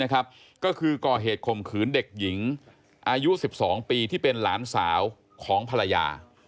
ก็คือก่อเหตุข่มขืนเด็กหญิงอายุ๑๒ปีที่เป็นหลานสาวของภรรยา